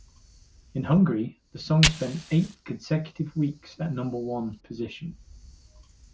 In Hungary, the song spent eight consecutive weeks at number-one position.